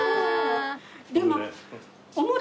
でも。